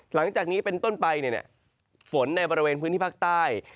หลังจากนี้เป็นต้นไปฝนในบริเวณพื้นที่ภาคใต้